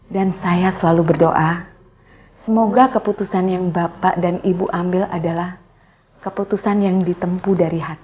dan saya selalu berdoa semoga keputusan yang bapak dan ibu ambil adalah keputusan yang ditempu dari hati